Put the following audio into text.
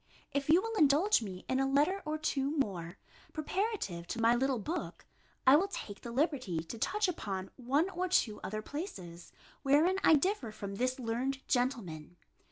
if you will indulge me in a letter or two more, preparative to my little book, I will take the liberty to touch upon one or two other places, wherein I differ from this learned gentleman.